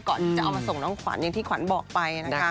ก่อนที่จะเอามาส่งน้องขวัญอย่างที่ขวัญบอกไปนะคะ